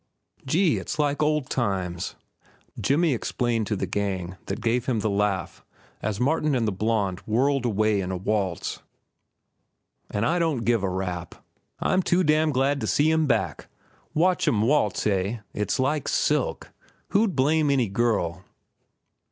"Gee, it's like old times," Jimmy explained to the gang that gave him the laugh as Martin and the blonde whirled away in a waltz. "An' I don't give a rap. I'm too damned glad to see 'm back. Watch 'm waltz, eh? It's like silk. Who'd blame any girl?"